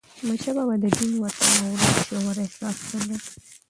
احمدشاه بابا د دین، وطن او ولس ژور احساس درلود.